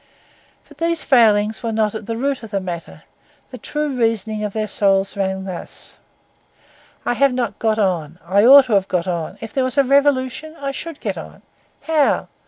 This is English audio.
But these failings were not at the root of the matter; the true reasoning of their souls ran thus—I have not got on; I ought to have got on; if there was a revolution I should get on. How?